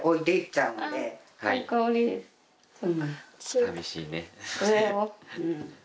さみしいね。